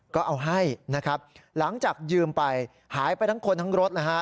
ก็เอาให้นะครับหลังจากยืมไปหายไปทั้งคนทั้งรถนะฮะ